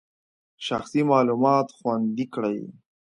شخصي معلومات خوندي کړئ.